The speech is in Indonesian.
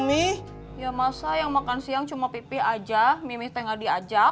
mi ya masa yang makan siang cuma pipi aja mimpi tengah diajak